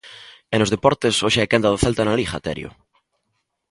E nos deportes, hoxe é a quenda do Celta na Liga, Terio.